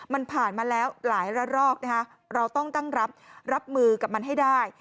มันผ่านมาแล้วหลายระรอกนะคะเราต้องตั้งรับรับมือกับมันให้ได้